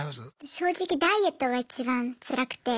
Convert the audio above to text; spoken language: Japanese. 正直ダイエットがいちばんつらくて。